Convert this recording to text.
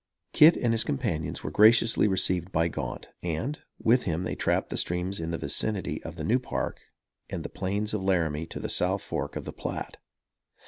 Kit and his companions were graciously received by Gaunt; and, with him they trapped the streams in the vicinity of the New Park and the plains of Laramie to the South fork of the Platte.